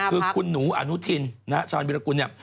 คือคุณหนูอนุทินนะฮะชาญวิรากุลเนี่ย